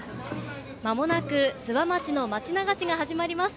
まもなく諏訪町の町流しが始まります。